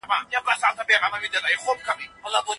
راتلونکي قوانین به څه په اړه وي؟